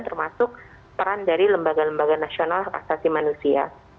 termasuk peran dari lembaga lembaga nasional hak asasi manusia